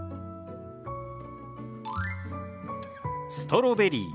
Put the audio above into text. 「ストロベリー」。